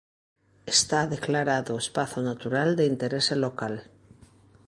Está declarado espazo natural de interese local.